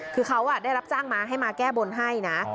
คือเขาได้รับจ้างมาให้มาแก้บนให้นะ